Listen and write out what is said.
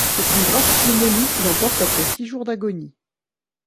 C'est une grave pneumonie, qui l'emporte après six jours d'agonie.